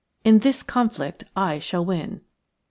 In this conflict I shall win."